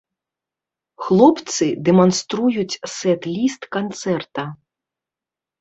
Хлопцы дэманструюць сэт-ліст канцэрта.